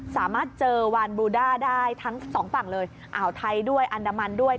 สามารถเจอวานบลูด้าได้ทั้งสองฝั่งเลยอ่าวไทยด้วยอันดามันด้วย